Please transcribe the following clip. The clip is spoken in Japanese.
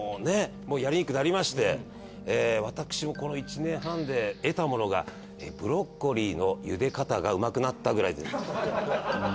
やりにくくなりまして私もこの１年半で得たものがブロッコリーのゆで方がうまくなったくらいで。